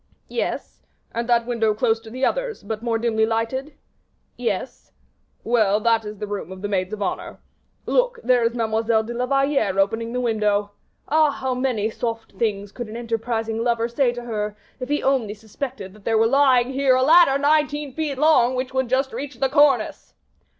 "Yes." "And that window close to the others, but more dimly lighted?" "Yes." "Well, that is the room of the maids of honor. Look, there is Mademoiselle de la Valliere opening the window. Ah! how many soft things could an enterprising lover say to her, if he only suspected that there was lying here a ladder nineteen feet long, which would just reach the cornice."